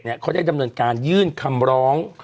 เขาได้ดำเนินการยื่นคำร้อง